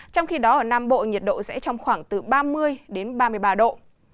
trong khi đó ở nam bộ nhiệt độ sẽ trong khoảng từ ba mươi đến ba mươi ba độ